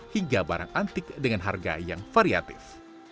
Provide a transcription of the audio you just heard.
hingga barang antik dengan harga yang variatif